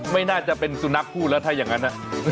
ไม่น่าจะเป็นสุนัขพูดแล้วถ้าอย่างนั้น